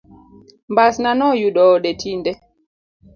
Mbasnano oyudo ode tinde.